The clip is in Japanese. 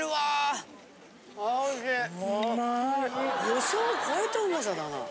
予想を超えたうまさだな。